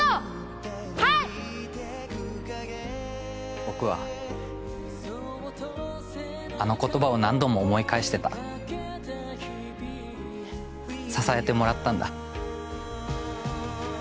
僕はあの言葉を何度も思い返してた支えてもらったんだ